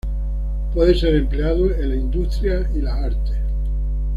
Puede ser empleado en la industria y las artes.